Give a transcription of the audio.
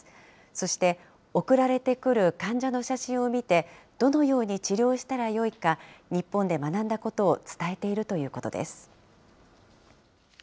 そして、送られてくる患者の写真を見て、どのように治療したらよいか、日本で学んだことを伝えているということです。